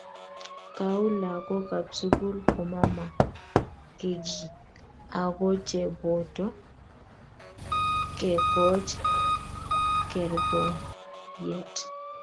Kou lagokab sukul komamakekiy akocheboto kekoch kergongyet